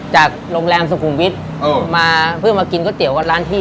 จากโรงแรมสุขุมวิทย์มาเพื่อมากินก๋วยเตี๋ยวกับร้านพี่